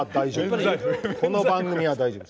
この番組は大丈夫です。